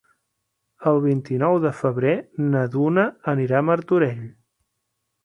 El vint-i-nou de febrer na Duna anirà a Martorell.